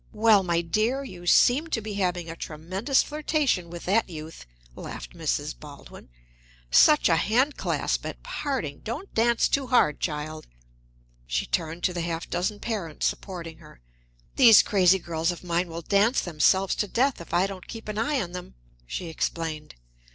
"Well, my dear, you seemed to be having a tremendous flirtation with that youth," laughed Mrs. Baldwin. "Such a hand clasp at parting! Don't dance too hard, child." She turned to the half dozen parents supporting her. "These crazy girls of mine will dance themselves to death if I don't keep an eye on them," she explained.